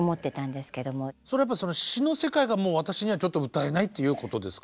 それは詞の世界が私にはちょっと歌えないっていうことですか？